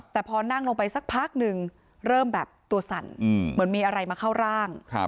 แต่พอนั่งลงไปสักพักหนึ่งเริ่มแบบตัวสั่นเหมือนมีอะไรมาเข้าร่าง